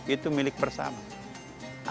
itu milik persamaan